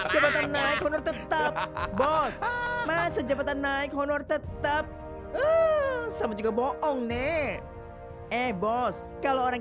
jembatan naik honor tetap bos masa jabatan naik honor tetap sama juga bohong nih eh bos kalau orang